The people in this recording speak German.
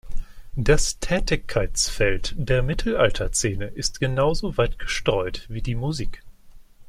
Das Tätigkeitsfeld der Mittelalterszene ist genauso weit gestreut wie die Musik.